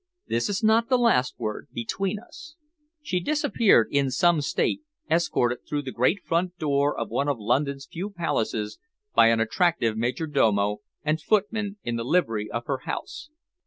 This is not the last word between us." She disappeared in some state, escorted through the great front door of one of London's few palaces by an attractive major domo and footman in the livery of her House.